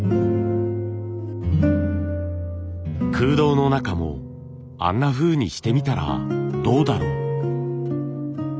空洞の中もあんなふうにしてみたらどうだろう。